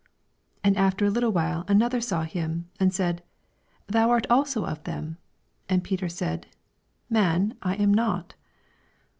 58 And after a httle while another saw him, and said. Thou art also of them, and Peter said, Man, I am not.